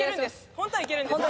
本当にいけるんですか？